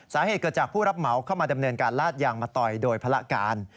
สาเหตุเกิดจากผู้รับเหมาเข้ามาดำเนินการลาดยางมาต่อยโดยภาระการ